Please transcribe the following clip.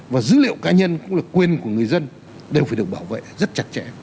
và dữ liệu cá nhân cũng là quyền của người dân đều phải được bảo vệ rất chặt chẽ